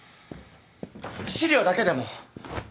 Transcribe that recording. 資料だけでも！